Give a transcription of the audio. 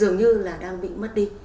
nó bị mất đi